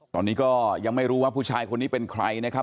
ตอนนี้ก็ยังไม่รู้ว่าผู้ชายคนนี้เป็นใครนะครับ